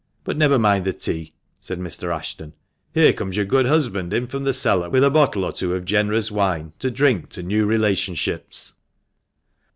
But never mind the tea," said Mr. Ashton ;" here comes your good husband in from the cellar, with a bottle or two of generous wine to drink to new relationships."